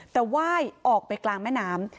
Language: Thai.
แต่ว่ายออกไปกลางแม่น้ำ